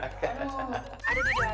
aduh aduh aduh